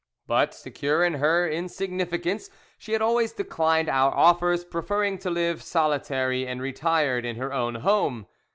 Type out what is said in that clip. But, secure in her insignificance, she had always declined our offers, preferring to live solitary and retired in her own home.